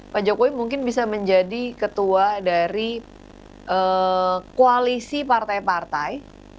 pak jokowi mungkin bisa menjadi ketua dari koalisi partai partai